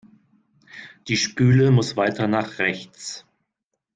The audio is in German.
Die Spüle muss weiter nach rechts.